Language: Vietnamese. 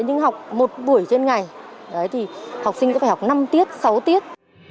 nhưng học một buổi trên ngày thì học sinh cũng phải học năm tiết sáu tiết